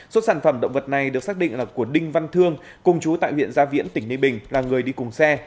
số sản phẩm động vật này được xác định là của đinh văn thương cùng chú tại huyện gia viễn tỉnh ninh bình là người đi cùng xe